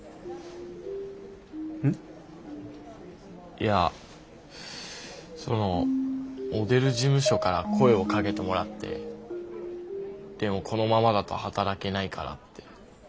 いやそのモデル事務所から声をかけてもらってでもこのままだと働けないからって。